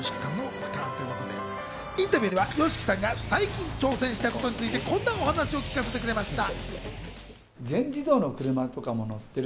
インタビューではＹＯＳＨＩＫＩさんが最近挑戦したことについてこんなお話を聞かせてくれました。